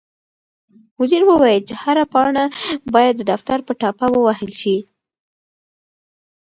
مدیر وویل چې هره پاڼه باید د دفتر په ټاپه ووهل شي.